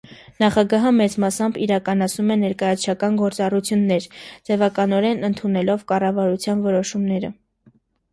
Նախագահը, մեծ մասամբ, իրականացնում է ներկայացուցչական գործառնություններ՝ ձևականորեն ընդունելով կառավարության որոշումները։